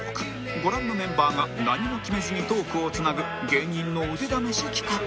ご覧のメンバーが何も決めずにトークをつなぐ芸人の腕試し企画